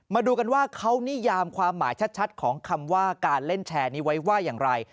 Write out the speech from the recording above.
มาดูกันว่าเขานิยามความหมายชัดของคำว่าการเล่นแชร์นี้ไว้ว่าอย่างไร